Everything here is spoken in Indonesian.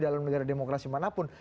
dalam negara demokrasi mana pun